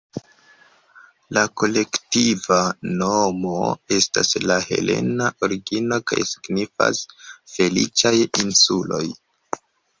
La kolektiva nomo estas de helena origino kaj signifas "feliĉaj insuloj".